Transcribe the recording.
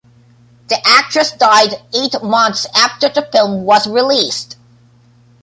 The actress died eight months after the film was released.